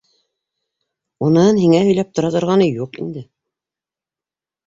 Уныһын һиңә һөйләп тора торғаны юҡ инде.